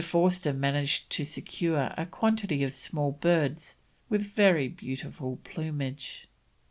Forster managed to secure a quantity of small birds with very beautiful plumage.